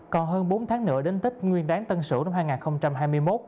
còn hơn bốn tháng nữa đến tích nguyên đáng tân sửu năm hai nghìn hai mươi một